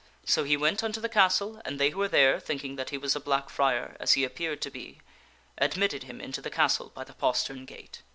So he went unto the castle, and they who were there, thinking that he was a black friar, as he appeared to be, admitted him into the castle by the postern gate.